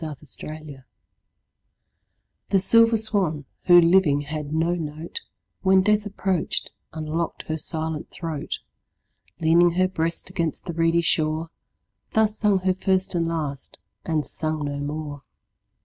6 Autoplay The silver swan, who living had no note, When death approach'd, unlock'd her silent throat; Leaning her breast against the reedy shore, Thus sung her first and last, and sung no more.